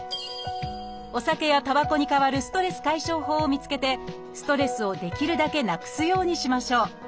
お酒やたばこに代わるストレス解消法を見つけてストレスをできるだけなくすようにしましょう。